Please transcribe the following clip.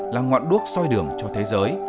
là ngọn đuốc soi đường cho thế giới